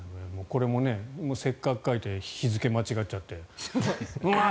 これもせっかく書いて日付を間違えちゃってわあ！